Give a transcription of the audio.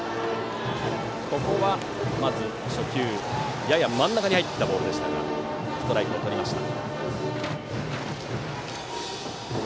ここはまず初球やや真ん中に入ったボールでストライクをとりました。